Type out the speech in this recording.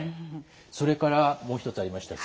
それからもう一つありました